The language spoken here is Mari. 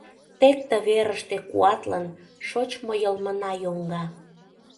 Тек ты верыште куатлын Шочмо йылмына йоҥга.